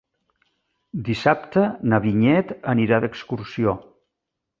Dissabte na Vinyet anirà d'excursió.